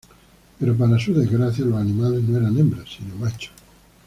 Pero para su desgracia, los animales no eran hembras sino machos.